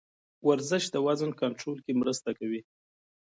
ورزش د وزن کنټرول کې مرسته کوي.